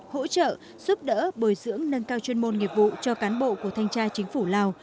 hỗ trợ giúp đỡ bồi dưỡng nâng cao chuyên môn nghiệp vụ cho cán bộ của thanh tra chính phủ lào